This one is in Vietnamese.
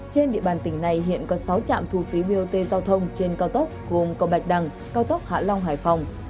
trên địa bàn tỉnh này hiện có sáu trạm thu phí bot giao thông trên cao tốc gồm cầu bạch đằng cao tốc hạ long hải phòng